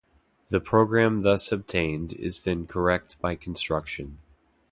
The program thus obtained is then correct by construction.